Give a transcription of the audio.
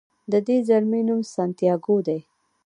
د دې زلمي نوم سانتیاګو دی.